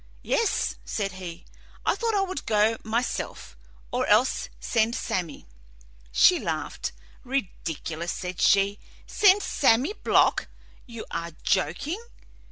"Yes," said he, "I thought I would go myself, or else send Sammy." She laughed. "Ridiculous!" said she. "Send Sammy Block! You are joking?"